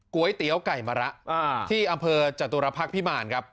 ก๋วยเตี๋ยวไก่มะระที่อำเภอจตุรพักษ์พิมารครับ